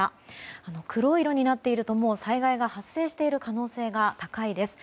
黒色になっているともう災害が発生している可能性が高いです。